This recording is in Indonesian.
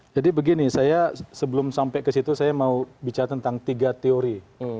jadi begini saya sebelum sampai ke situ saya mau bicara tentang tiga teori